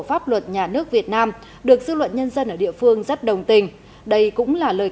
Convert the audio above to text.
pháp luật nhà nước việt nam được dư luận nhân dân ở địa phương rất đồng tình đây cũng là lời